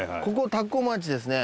田子町ですね